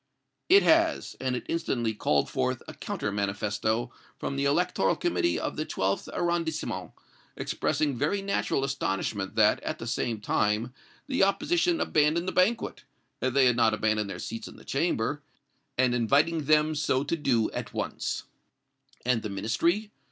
"It has; and it instantly called forth a counter manifesto from the electoral committee of the Twelfth Arrondissement, expressing very natural astonishment that, at the same time the opposition abandoned the banquet, they had not abandoned their seats in the Chamber, and inviting them so to do at once." "And the Ministry?"